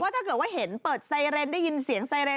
ถ้าเกิดว่าเห็นเปิดไซเรนได้ยินเสียงไซเรน